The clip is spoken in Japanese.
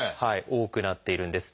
多くなっているんです。